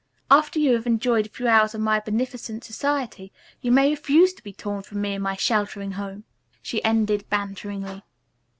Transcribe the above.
After you have enjoyed a few hours of my beneficent society you may refuse to be torn from me and my sheltering home," she ended banteringly.